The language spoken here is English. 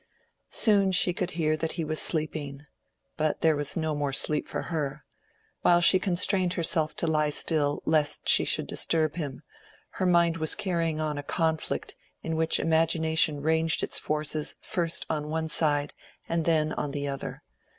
Soon she could hear that he was sleeping, but there was no more sleep for her. While she constrained herself to lie still lest she should disturb him, her mind was carrying on a conflict in which imagination ranged its forces first on one side and then on the other.